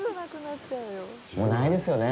もうないですよね？